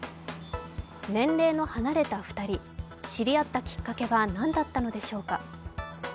年齢の離れた２人、知り合ったきっかけは何だったのでしょうか。